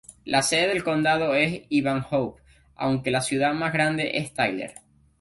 La sede del condado es Ivanhoe aunque la ciudad más grande es Tyler.